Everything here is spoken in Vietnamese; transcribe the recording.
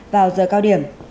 vào giờ cao điểm